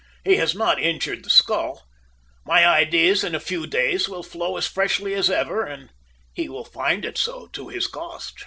He has not injured the skull. My ideas in a few days will flow as freshly as ever, and he will find it so to his cost."